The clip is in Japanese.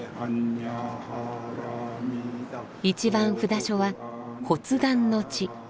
一番札所は発願の地。